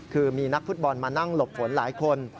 คือมีนักฟุตบอลมานั่งหลบฝนหลายคน